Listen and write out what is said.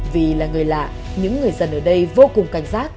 vì là người lạ những người dân ở đây vô cùng cảnh giác